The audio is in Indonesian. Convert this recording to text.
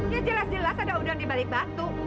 ya jelas jelas ada udang di balik batu